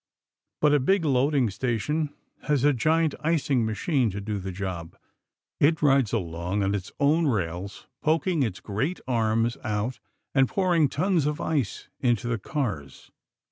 But a big loading station has a giant icing machine to do the job. It rides along on its own rails, poking its great arms out and pouring tons of ice into the cars.